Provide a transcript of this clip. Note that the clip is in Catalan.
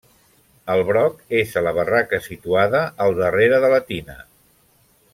El broc és a la barraca situada al darrere de la tina.